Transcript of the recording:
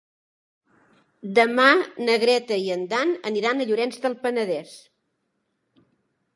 Demà na Greta i en Dan aniran a Llorenç del Penedès.